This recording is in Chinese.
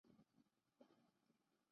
生于康熙十一年。